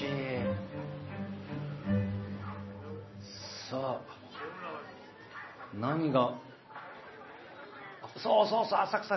さあ何が。